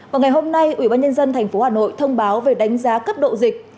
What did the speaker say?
và ngày hôm nay ủy ban nhân dân thành phố hà nội thông báo về đánh giá cấp độ dịch